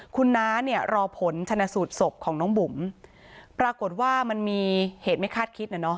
คุณน้าเนี่ยรอผลชนะสูตรศพของน้องบุ๋มปรากฏว่ามันมีเหตุไม่คาดคิดนะเนาะ